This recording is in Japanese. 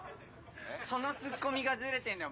そのツッコミがズレてんだよ